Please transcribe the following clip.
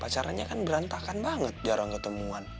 acaranya kan berantakan banget jarang ketemuan